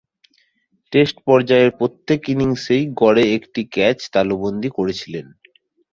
Test পর্যায়ের প্রত্যেক ইনিংসেই গড়ে একটি ক্যাচ তালুবন্দী করেছিলেন।